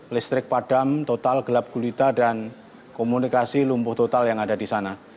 listrik padam total gelap gulita dan komunikasi lumpuh total yang ada di sana